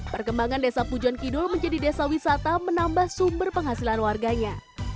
perkembangan desa pujon kidul menjadi desa wisata menambah sumber penghasilan warganya